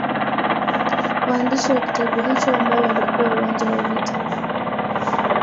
Waandishi wa kitabu hicho ambao walikuwa uwanja wa vita